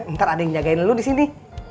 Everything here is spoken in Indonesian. ntar ada yang jagain dulu di sini